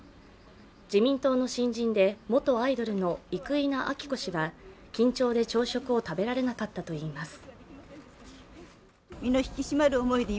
自民党の新人で元アイドルの生稲晃子氏は、緊張で朝食を食べられなかったといいます。